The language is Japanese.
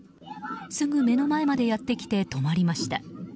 すぐ目の前までやってきて止まりました。